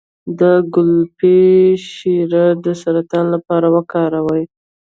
د ګلپي شیره د سرطان لپاره وکاروئ